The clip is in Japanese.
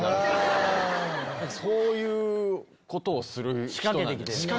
そういうことをする人なんです。